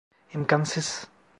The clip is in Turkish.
İmkansız!